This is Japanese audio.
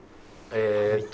えーっと。